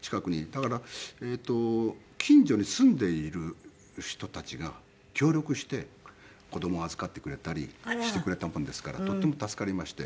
だから近所に住んでいる人たちが協力して子供を預かってくれたりしてくれたもんですからとても助かりまして。